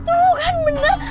tuh kan bener